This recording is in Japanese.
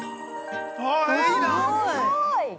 すごい。